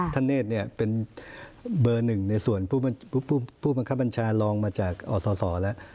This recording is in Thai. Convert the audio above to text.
ท่านเนศเป็นเบอร์๑ในส่วนผู้บังคับปัญชาลองมาจากอสและ